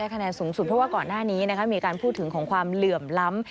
คะแนนสูงสุดเพราะว่าก่อนหน้านี้มีการพูดถึงของความเหลื่อมล้ำ